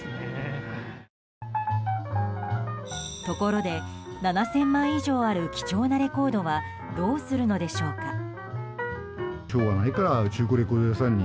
ところで、７０００枚以上ある貴重なレコードはどうするのでしょうか。